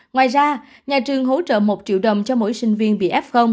ngoài ra nhà trường hỗ trợ một triệu đồng cho mỗi sinh viên bị f